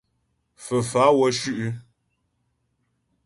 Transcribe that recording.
Fə́fá'a wə́ shʉ'.